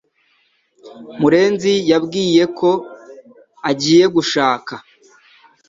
murenzi yambwiye ko agiye gushaka. (Spamster)